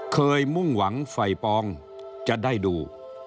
มุ่งหวังไฟปองจะได้ดู